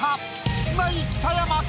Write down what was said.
キスマイ・北山か？